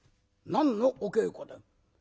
「何のお稽古で？」。